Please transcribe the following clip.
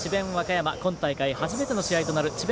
今大会初めての試合となる智弁